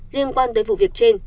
liên quan tới vụ việc trên